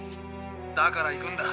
だから行くんだ。